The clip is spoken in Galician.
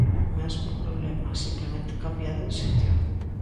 O mesmo problema, simplemente cambiado de sitio.